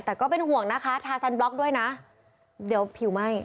แต่ก็เป็นห่วงนะคะทาซันบล็อกด้วยนะเดี๋ยวผิวไหม้